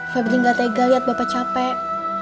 pebli nggak tega liat bapak capek